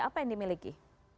apa yang dimiliki